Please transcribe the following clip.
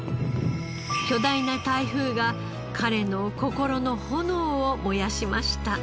巨大な台風が彼の心の炎を燃やしました。